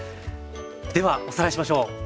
ではおさらいしましょう。